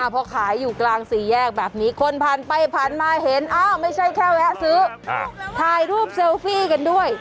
พอขายอยู่กลางสี่แยกแบบนี้คนผ่านไปผ่านมาเห็นอ้าวไม่ใช่แค่แวะซื้อถ่ายรูปเซลฟี่กันด้วย